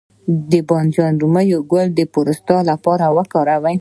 د رومي بانجان ګل د پروستات لپاره وکاروئ